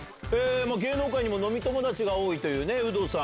芸能界にも飲み友達が多いという有働さん。